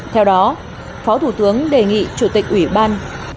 theo đó phó thủ tướng đề nghị chủ tịch uban